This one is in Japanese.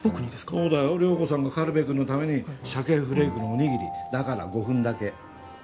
そうだよ遼子さんが軽部くんのためにしゃけフレークのおにぎりだから５分だけ。